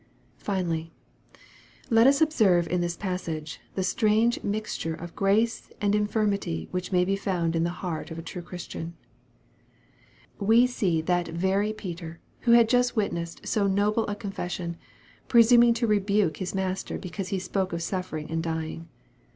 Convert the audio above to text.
Finally, let us observe in this passage the strange Tnwc ture of grace and infirmity which may be found in the heart of a true Christian. We see that very Peter who had just witnessed so noble a confession, presuming to rebuke his Master because He spoke of suffering and dying.